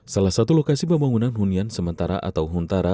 salah satu lokasi pembangunan hunian sementara atau huntara